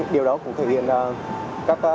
điều đó cũng thể hiện là